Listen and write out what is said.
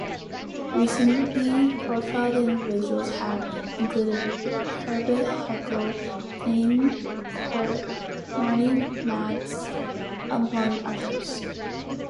Recently profiled individuals have included Herbert Huncke, Jayne County, and Marty Matz, among others.